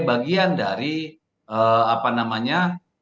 bagian dari apa namanya